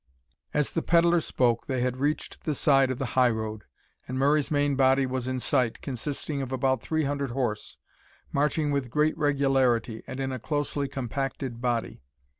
As the pedlar spoke, they had reached the side of the high road, and Murray's main body was in sight, consisting of about three hundred horse, marching with great regularity, and in a closely compacted body.